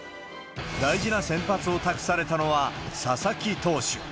大事な先発を託されたのは、佐々木投手。